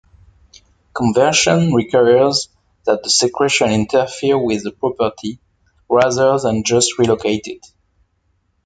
"Conversion" requires that the secretion interfere with the property, rather than just relocate it.